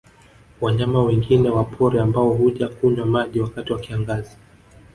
Wanyama wengine wa pori ambao huja kunywa maji wakati wa kiangazi